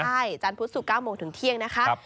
ใช่จันทร์พุธศุกร์๙โมงถึงเที่ยงนะคะ